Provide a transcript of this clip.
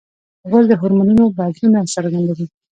غول د هورمونونو بدلونه څرګندوي.